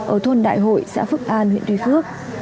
ở thôn đại hội xã phước an huyện tuy phước